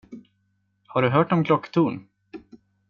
Har du hört om klocktorn?